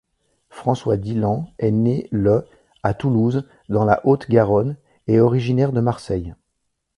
François Dilhan est né le à Toulouse, dans la Haute-Garonne, et originaire de Marseille.